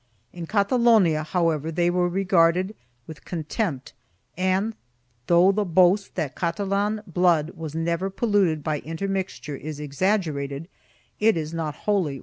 In Catalonia, however, they were regarded with contempt and, though the boast that Catalan blood was never polluted by inter mixture is exaggerated, it is not wholly without foundation.